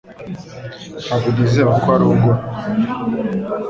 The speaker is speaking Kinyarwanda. Ntabwo nizera ko arongora